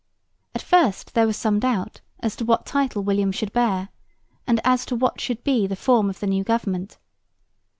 At first there was some doubt as to what title William should bear and as to what should be the form of the new government.